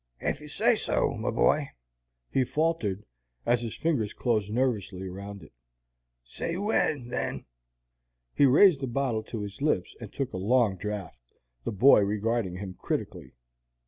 "Ef you say so, my boy," he faltered, as his fingers closed nervously around it; "say 'when,' then." He raised the bottle to his lips and took a long draught, the boy regarding him critically.